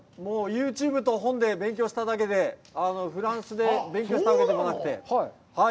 ユーチューブと本で勉強しただけで、フランスで勉強したわけではなくて。